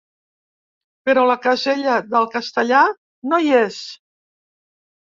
Però la casella del castellà no hi és.